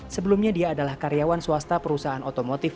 sebelumnya dia adalah karyawan swasta perusahaan otomotif